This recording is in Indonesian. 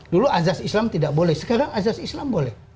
dulu azaz islam tidak boleh sekarang azaz islam boleh